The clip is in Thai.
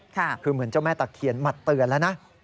คือเหมือนเจ้าแม่ตะเคียนมาเตือนแล้วนะ